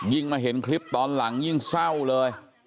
มาเห็นคลิปตอนหลังยิ่งเศร้าเลย